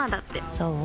そう？